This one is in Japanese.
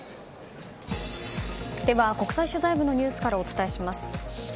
では国際取材部のニュースからお伝えします。